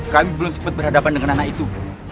kami belum sempat berhadapan dengan anak itu